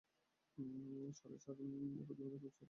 সাড়ে চার একর জমির উপর অফিসার্স ক্লাব প্রতিষ্ঠিত।